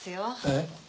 えっ？